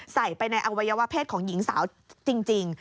ใส่ไปในอวัยวะเพศของหญิงสาวจริง